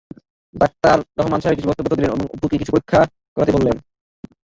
Doctor Rahman সাহেবের জন্য ব্যবস্থাপত্র দিলেন এবং অপুকে কিছু পরীক্ষা করাতে বললেন।